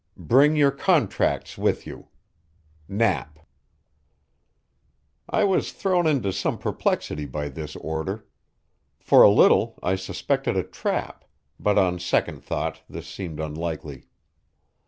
Bring your contracts with you. Knapp." I was thrown into some perplexity by this order. For a little I suspected a trap, but on second thought this seemed unlikely.